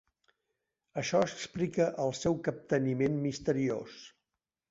Això explica el seu capteniment misteriós.